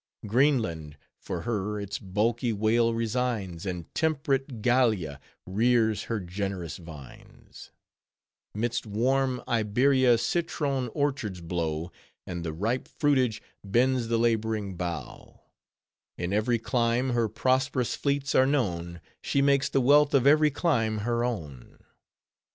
Greenland for her its bulky whale resigns, And temperate Gallia rears her generous vines: 'Midst warm Iberia citron orchards blow, And the ripe fruitage bends the laboring bough; In every clime her prosperous fleets are known, She makes the wealth of every clime her own."